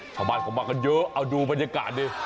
ชาวบ้านเขามากันเยอะเอาดูบรรยากาศดิ